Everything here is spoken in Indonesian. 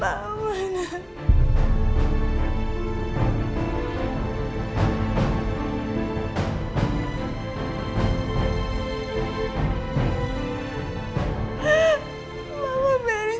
mama beri kamu tinggal di sana sendiri